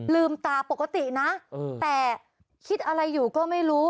ลืมตาปกตินะแต่คิดอะไรอยู่ก็ไม่รู้